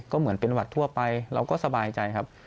ก็เหมือนเป็นหวัดทั่วไปเราก็สบายใจครับ